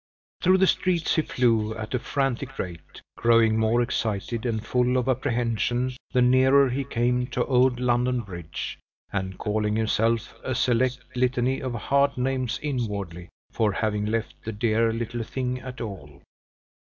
Through the streets he flew at a frantic rate, growing more excited and full of apprehension the nearer he came to old London Bridge; and calling himself a select litany of hard names inwardly, for having left the dear little thing at all.